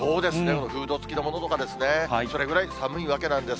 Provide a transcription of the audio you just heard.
もうフード付きのものとかですね、それぐらい寒いわけなんです。